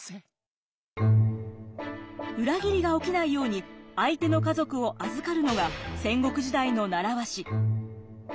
裏切りが起きないように相手の家族を預かるのが戦国時代の習わし。